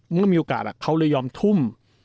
เมื่อมีโอกาสเขาเลยยอมทุ่ม